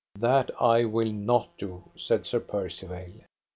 That will I not do, said Sir Percivale.